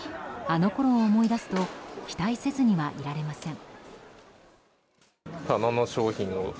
あのころを思い出すと期待せずにはいられません。